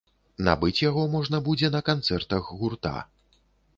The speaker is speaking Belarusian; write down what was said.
Набыць яго можна будзе на канцэртах гурта.